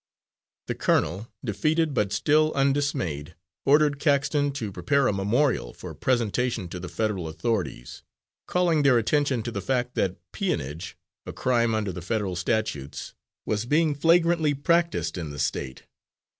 The colonel, defeated but still undismayed, ordered Caxton to prepare a memorial for presentation to the federal authorities, calling their attention to the fact that peonage, a crime under the Federal statutes, was being flagrantly practised in the State.